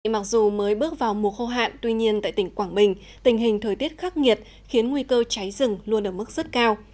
mặc dù mới bước vào mùa khô hạn tuy nhiên tại tỉnh quảng bình tình hình thời tiết khắc nghiệt khiến nguy cơ cháy rừng luôn ở mức rất cao